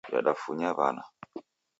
Yadafunya w'ana